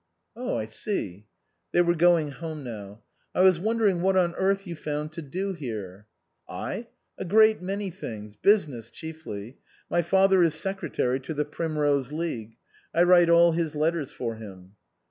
" Oh, I see." (They were going home now.) " I was wondering what on earth you found to do here." " I ? A great many things. Business chiefly. My father is secretary to the Primrose League. I write all his letters for him."